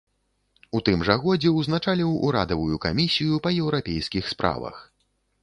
У тым жа годзе узначаліў урадавую камісію па еўрапейскіх справах.